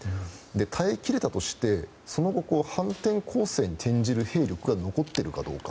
耐え切れたとしてその後、反転攻勢に転じる兵力が残っているかどうか。